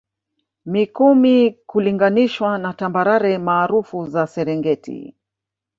mikumi kulinganishwa na tambarare maarufu za serengeti